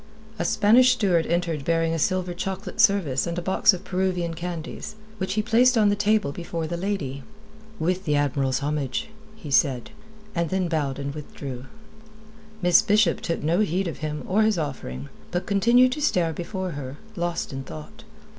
A Spanish steward entered bearing a silver chocolate service and a box of Peruvian candies, which he placed on the table before the lady. "With the Admiral's homage," he said, then bowed, and withdrew. Miss Bishop took no heed of him or his offering, but continued to stare before her, lost in thought.